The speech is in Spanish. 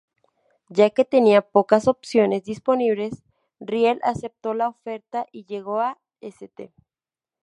Ya que tenía pocas opciones disponibles, Riel aceptó la oferta y llegó a St.